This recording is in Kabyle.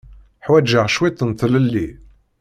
Ḥwaǧeɣ cwiṭ n tlelli.